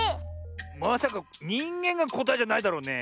まさか「にんげん」がこたえじゃないだろうね。